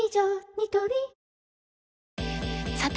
ニトリさて！